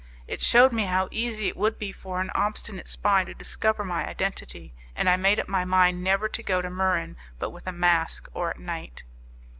It shewed me how easy it would be for an obstinate spy to discover my identity, and I made up my mind never to go to Muran but with a mask, or at night.